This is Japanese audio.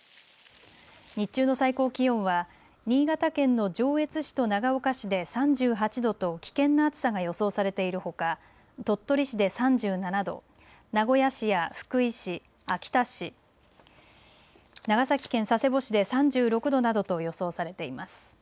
日中の最高気温は新潟県の上越市と長岡市で３８度と危険な暑さが予想されているほか鳥取市で３７度、名古屋市や福井市、秋田市、長崎県佐世保市で３６度などと予想されています。